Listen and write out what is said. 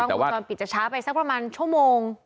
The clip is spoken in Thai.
วงจรปิดจะช้าไปสักประมาณชั่วโมง